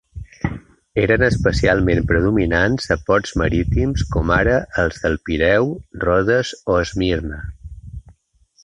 Eren especialment predominants a ports marítims com ara els del Pireu, Rodes o Esmirna.